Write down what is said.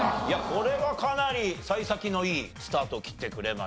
これはかなり幸先のいいスタートを切ってくれました。